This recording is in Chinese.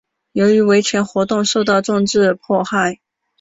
由于维权活动受到政治迫害。